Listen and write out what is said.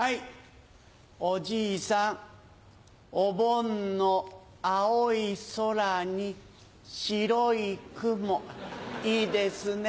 おじいさんお盆の青い空に白い雲いいですね。